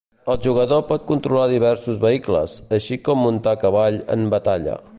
El jugador pot controlar diversos vehicles, així com muntar a cavall en batalla.